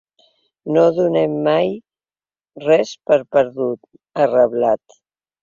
“No donem mai res per perdut”, ha reblat.